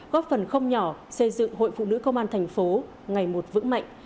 góp phần không nhỏ xây dựng hội phụ nữ công an thành phố ngày một vững mạnh